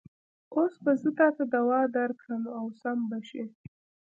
اوس به زه تاته دوا درکړم او سم به شې.